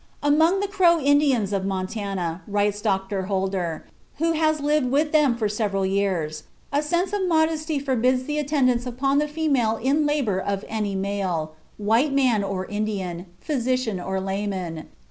Among the Crow Indians of Montana, writes Dr. Holder, who has lived with them for several years, "a sense of modesty forbids the attendance upon the female in labor of any male, white man or Indian, physician or layman.